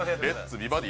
美バディ」